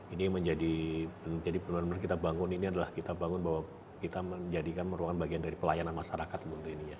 ini yang menjadi benar benar kita bangun ini adalah kita bangun bahwa kita menjadikan ruangan bagian dari pelayanan masyarakat untuk ini ya